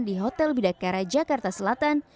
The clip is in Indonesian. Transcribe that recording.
di hotel bidakara jakarta selatan